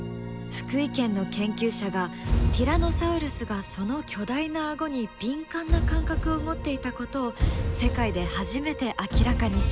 福井県の研究者がティラノサウルスがその巨大な顎に敏感な感覚を持っていたことを世界で初めて明らかにした！